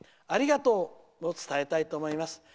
ありがとう！を伝えたいと思います。